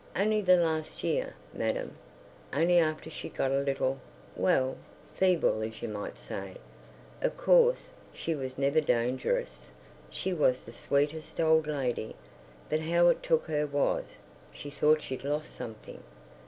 ... Only the last year, madam. Only after she'd got a little—well—feeble as you might say. Of course, she was never dangerous; she was the sweetest old lady. But how it took her was—she thought she'd lost something.